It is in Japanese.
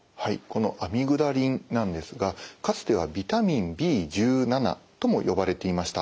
このアミグダリンなんですがかつてはビタミンＢ１７とも呼ばれていました。